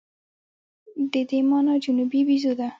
د دې مانا جنوبي بیزو ده.